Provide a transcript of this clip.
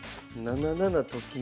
７七と金？